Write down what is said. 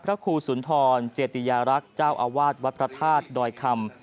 พระครูสุนทรเจติยารักษ์เจ้าอาวาสวัดพระธาตุดอยคำ